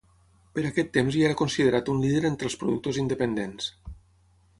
Per a aquest temps ja era considerat un líder entre els productors independents.